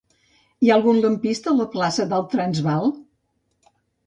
Hi ha algun lampista a la plaça del Transvaal?